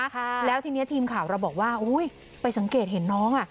ค่ะแล้วทีเนี้ยทีมข่าวเราบอกว่าอุ้ยไปสังเกตเห็นน้องอ่ะ